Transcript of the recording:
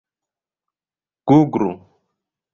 guglu